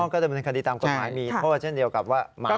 ก็เป็นบันเงินคตีตามกฎหมายมีเพราะเช่นเดียวกับว่าเมา